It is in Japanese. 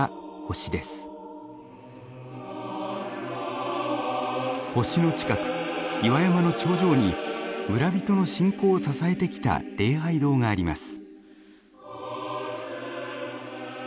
星の近く岩山の頂上に村人の信仰を支えてきた礼拝堂があります。